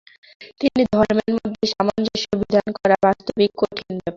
বিভিন্ন ধর্মের মধ্যে সামঞ্জস্য বিধান করা বাস্তবিক কঠিন ব্যাপার।